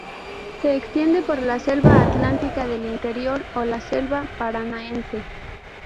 Se extiende por la selva Atlántica del interior, o selva Paranaense.